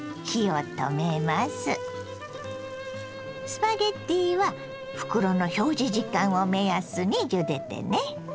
スパゲッティは袋の表示時間を目安にゆでてね。